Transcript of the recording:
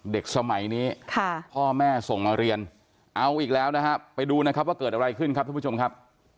เด็กสมัยนี้พ่อแม่ส่งมาเรียนเอาอีกแล้วนะฮะไปดูนะครับว่าเกิดอะไรขึ้นครับทุกผู้ชมครับ